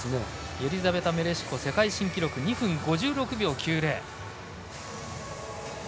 イェリザベタ・メレシコ世界新記録２分５６秒９０。